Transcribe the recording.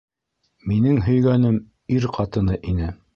Минең һөйгәнем - ир ҡатыны ине.